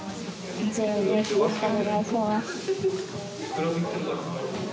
よろしくお願いします